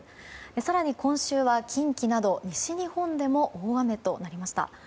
更に、今週は近畿など西日本でも大雨となりました。